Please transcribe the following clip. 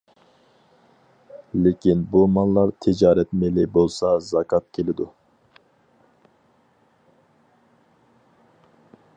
لېكىن بۇ ماللار تىجارەت مېلى بولسا، زاكات كېلىدۇ.